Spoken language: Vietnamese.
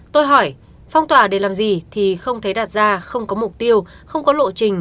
tôi hỏi phong tỏa để làm gì thì không thấy đạt ra không có mục tiêu không có lộ trình